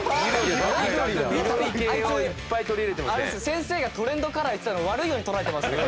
先生がトレンドカラー言ってたのを悪いように捉えてますよ。